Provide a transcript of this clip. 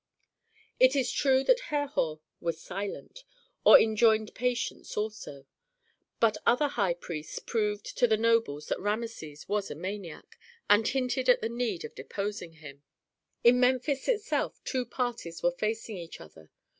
It is true that Herhor was silent, or enjoined patience also; but other high priests proved to the nobles that Rameses was a maniac, and hinted at the need of deposing him. In Memphis itself two parties were facing each other.